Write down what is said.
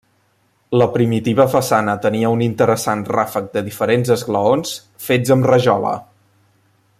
La primitiva façana tenia un interessant ràfec de diferents esglaons fets amb rajola.